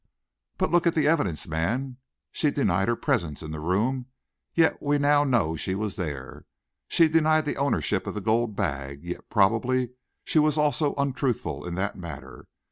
"But look at the evidence, man! She denied her presence in the room, yet we now know she was there. She denied the ownership of the gold bag, yet probably she was also untruthful in that matter.